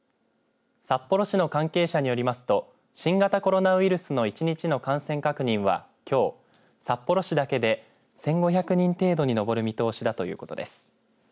札幌市の関係者によりますと新型コロナウイルスの１日の感染確認はきょう、札幌市だけで１５００人程度に上る見通しだということです。